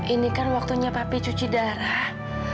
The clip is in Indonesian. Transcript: ini kan waktunya papi cuci darah